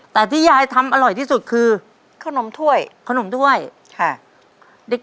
แต่ที่ยายทำอร่อยที่สุดคือขนมถ้วยขนมถ้วยค่ะ